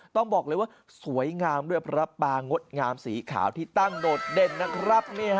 ต้องบอกเลยว่าสวยงามด้วยพระปางดงามสีขาวที่ตั้งโดดเด่นนะครับ